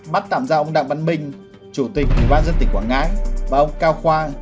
bắt tạm giam ông đặng văn minh chủ tịch ủy ban dân tịch quảng ngãi và ông cao khoa